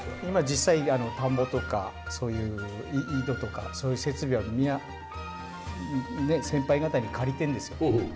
今実際田んぼとかそういう井戸とかそういう設備は皆先輩方に借りてるんですよ。